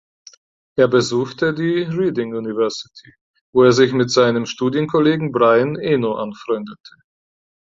Er besuchte die Reading University, wo er sich mit seinem Studienkollegen Brian Eno anfreundete.